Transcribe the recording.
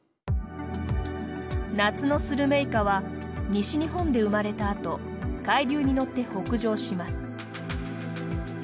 夏のスルメイカは西日本で生まれたあと海流に乗って北上します。